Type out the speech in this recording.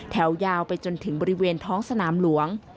ยาวไปจนถึงบริเวณท้องสนามหลวง